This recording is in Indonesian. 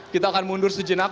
kita akan mundur sejenak